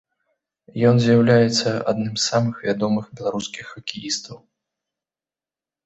Ён з'яўляецца адным з самых вядомых беларускіх хакеістаў.